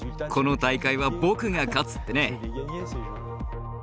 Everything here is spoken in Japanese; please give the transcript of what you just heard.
この大会は僕が勝つってね。